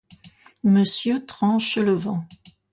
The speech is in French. Monsieur Tranchelevent....